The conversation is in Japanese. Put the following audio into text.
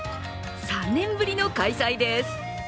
３年ぶりの開催です。